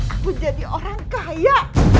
aku jadi orang kaya